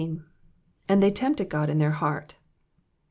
''''And they tempted Ood in their heart.'